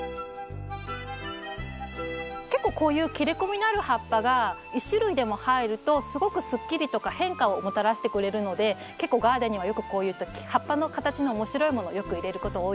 結構こういう切れ込みのある葉っぱが１種類でも入るとすごくすっきりとか変化をもたらしてくれるので結構ガーデンにはよくこういった葉っぱの形の面白いものよく入れること多いですね。